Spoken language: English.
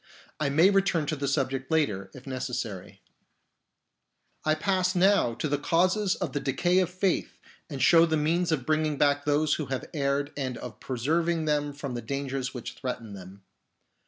I may return to the subject later, if necessary. I pass now to the causes of the decay of faith and show the means of bringing back those who have erred and of preserving them from the dangers which threaten them.